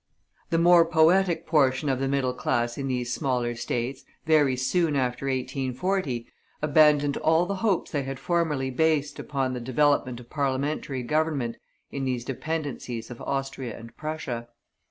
The more energetic portion of the middle class in these smaller States, very soon after 1840, abandoned all the hopes they had formerly based upon the development of Parliamentary government in these dependencies of Austria and Prussia.